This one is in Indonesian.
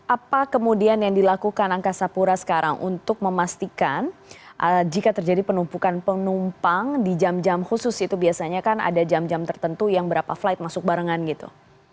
apa kemudian yang dilakukan angkasa pura sekarang untuk memastikan jika terjadi penumpukan penumpang di jam jam khusus itu biasanya kan ada jam jam tertentu yang berapa flight masuk barengan gitu